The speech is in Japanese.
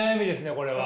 これは。